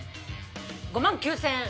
５万９０００円。